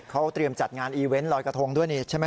เขาเตรียมจัดงานอีเวนต์ลอยกระทงด้วยนี่ใช่ไหม